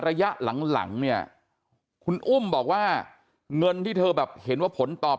ระยะหลังหลังเนี่ยคุณอุ้มบอกว่าเงินที่เธอแบบเห็นว่าผลตอบ